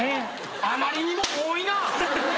あまりにも多いな。